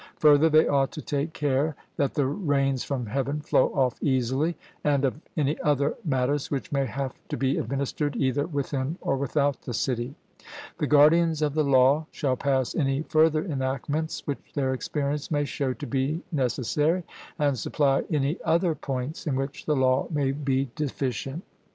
Further, they ought to take care that the rains from heaven flow off easily, and of any other matters which may have to be administered either within or without the city. The guardians of the law shall pass any further enactments which their experience may show to be necessary, and supply any other points in which the law may be deficient.